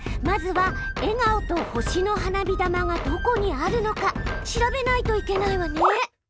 まずは笑顔と星の花火玉がどこにあるのか調べないといけないわね！